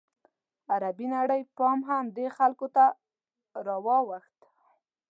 عربي نړۍ پام هم دې خلکو ته راواوښت.